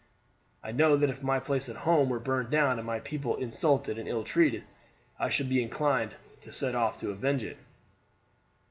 I know that if my place at home were burned down and my people insulted and ill treated I should be inclined to set off to avenge it."